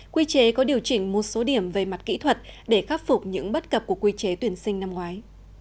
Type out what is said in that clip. quy chế có điều chỉnh một số điểm về mặt kỹ thuật để khắc phục những bất cập của quy chế tuyển sinh năm ngoái